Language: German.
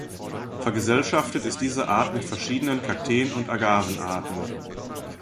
Vergesellschaftet ist diese Art mit verschiedenen Kakteen- und Agaven-Arten.